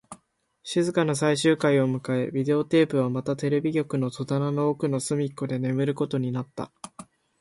静かな最終回を迎え、ビデオテープはまたテレビ局の戸棚の奥の隅っこで眠ることになった